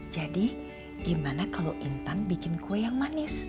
jadi gimana kalau intan bikin kue yang manis